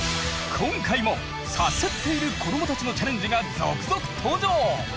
今回もサスっている子どもたちのチャレンジが続々登場！